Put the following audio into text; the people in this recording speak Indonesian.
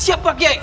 siap pak kiai